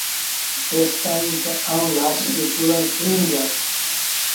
تيستائيٚݩ آئوݩ لآش کي پورڻ ڪونهيٚ ڏيآݩ